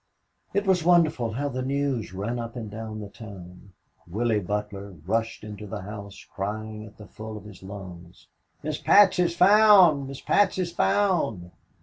It was wonderful how the news ran up and down the town. Willie Butler rushed into the house crying at the full of his lungs, "Miss Patsy's found. Miss Patsy's found."